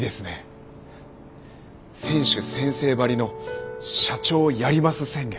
選手宣誓ばりの社長やります宣言。